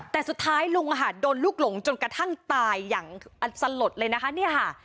แต่สุดท้ายลุงโดนลูกหลงจนกระทั่งตายอย่างสลดเลยนะคะเนี่ยค่ะ